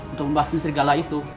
untuk membahas serigala itu